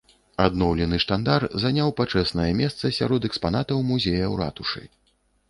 Адноўлены штандар заняў пачэснае месца сярод экспанатаў музея ў ратушы.